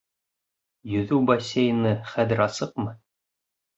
Йөҙөү бассейны хәҙер асыҡмы?